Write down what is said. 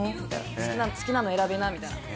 「好きなの選びな」みたいな。